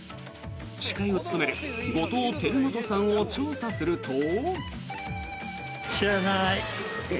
司会を務める後藤輝基さんを調査すると。